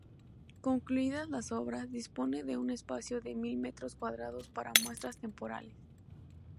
Concluidas las obras, dispone de un espacio de mil metros cuadrados para muestras temporales.